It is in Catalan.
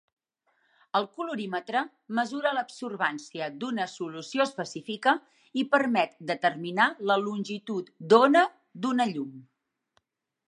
El colorímetre mesura l'absorbància d'una solució específica i permet determinar la longitud d'ona d'una llum.